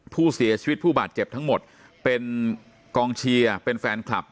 ผู้เสียชีวิตผู้บาดเจ็บทั้งหมดเป็นกองเชียร์เป็นแฟนคลับ